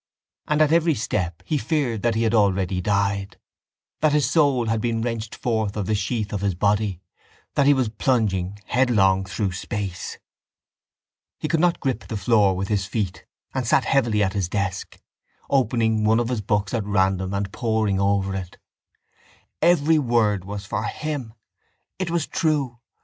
And at every step he feared that he had already died, that his soul had been wrenched forth of the sheath of his body, that he was plunging headlong through space. He could not grip the floor with his feet and sat heavily at his desk, opening one of his books at random and poring over it. Every word for him. It was true.